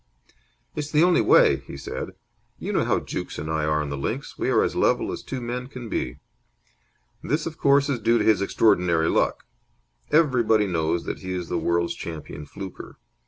"It's the only way," he said. "You know how Jukes and I are on the links. We are as level as two men can be. This, of course is due to his extraordinary luck. Everybody knows that he is the world's champion fluker.